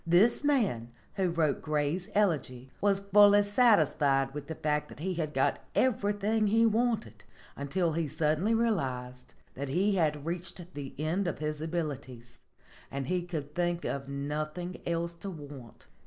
This man who wrote Gray's 'Elegy' was fully satisfied with the fact that he had got everything he wanted until he suddenly realized that he had reached the end of his abilities and he could think of nothing else to want.